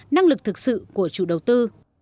năng lực thực sự của chủ đầu tư